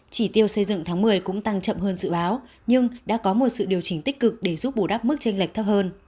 chỉ tiêu xây dựng tháng một mươi cũng tăng chậm hơn dự báo nhưng đã có một sự điều chỉnh tích cực để giúp bù đắp mức tranh lệch thấp hơn